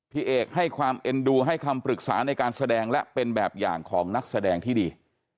พี่เอกให้ความเอ็นดูให้คำปรึกษาในการแสดงและเป็นแบบอย่างของนักแสดงที่ดี